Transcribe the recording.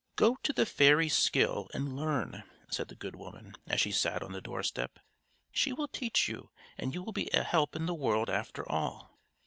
"Go to the Fairy Skill, and learn," said the good woman, as she sat on the doorstep. "She will teach you, and you will be a help in the world after all."